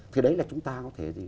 thì đấy là chúng ta có thể